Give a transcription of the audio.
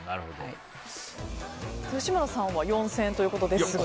吉村さんは４０００円ということですが。